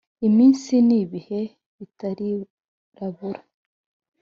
Iminsi n'ibihe bitarirabura